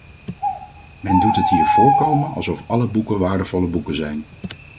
Men doet het hier voorkomen alsof alle boeken waardevolle boeken zijn.